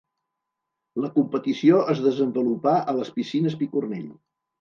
La competició es desenvolupà a les Piscines Picornell.